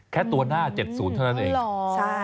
แค่ตัวหน้า๗๐เท่านั้นเอง